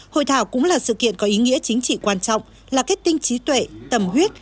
hội thảo cũng là sự kiện có ý nghĩa chính trị quan trọng là kết tinh trí tuệ tầm huyết